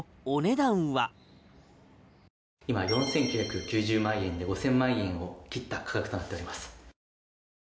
今４９９０万円で５０００万円を切った価格となっております。